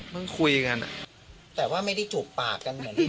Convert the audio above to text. เพิ่งคุยกันอ่ะแต่ว่าไม่ได้จูบปากกันเหมือนกัน